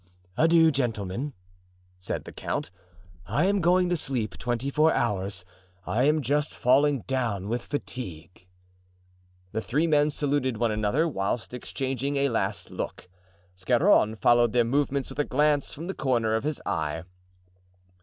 "Adieu, gentlemen," said the count; "I am going to sleep twenty four hours; I am just falling down with fatigue." The three men saluted one another, whilst exchanging a last look. Scarron followed their movements with a glance from the corner of his eye.